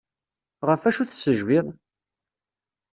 Ɣef acu tessejbiḍ?